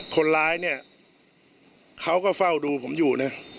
คนร้ายเขาก็เฝ้าดูผมอยู่